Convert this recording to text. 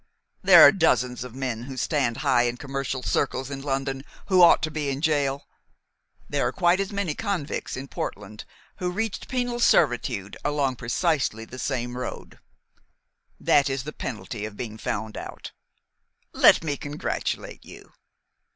There are dozens of men who stand high in commercial circles in London who ought to be in jail. There are quite as many convicts in Portland who reached penal servitude along precisely the same road. That is the penalty of being found out. Let me congratulate you.